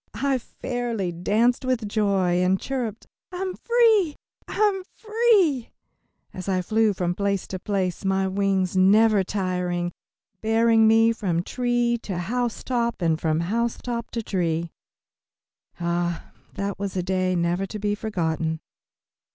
I fairly danced with joy, and chirped, "I'm free, I'm free," as I flew from place to place, my wings, never tiring, bearing me from tree to housetop and from housetop to tree. Ah, that was a day never to be forgotten.